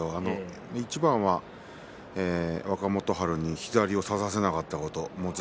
いちばんは若元春に左を差させなかったことですね。